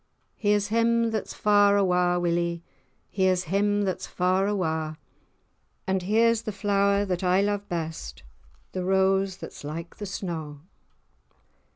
Here's him that's far awa', Willie, Here's him that's far awa', And here's the flower that I lo'e best, The rose that's like the snaw.